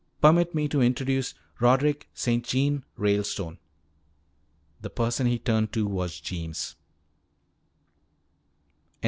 Permit me to introduce Roderick St. Jean Ralestone!" The person he turned to was Jeems!